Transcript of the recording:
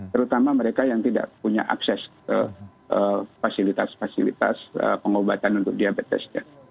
terutama mereka yang tidak punya akses ke fasilitas fasilitas pengobatan untuk diabetesnya